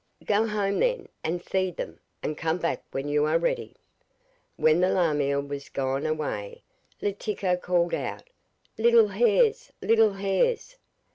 'Go home then and feed them, and come back when you are ready.' When the lamia was gone away, Letiko called out: 'Little hares! little hares!